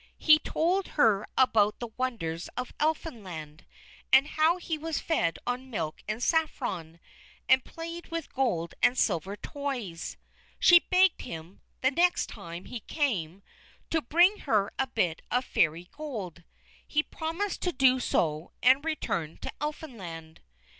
He told her about the wonders of Elfinland, and how he was fed on milk and saffron, and played with gold and silver toys. She begged him, the next time he came, to bring her a bit of Fairy Gold. He promised to do so, and returned to Elfinland.